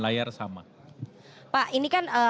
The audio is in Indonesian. layar sama pak ini kan